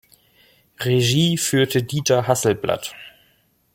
Regie führte Dieter Hasselblatt.